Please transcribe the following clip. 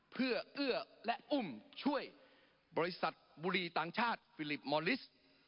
เพื่อเอื้อและอุ้มช่วยบริษัทบุรีต่างชาติฟิลิปมอลิส